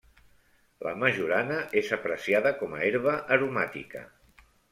La majorana és apreciada com a herba aromàtica.